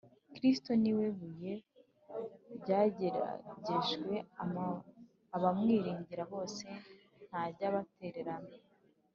kristo ni we buye ryageragejwe abamwiringira bose ntajya abatererana